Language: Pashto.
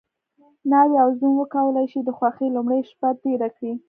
ناوې او زوم وکولی شي د خوښۍ لومړۍ شپه تېره کړي.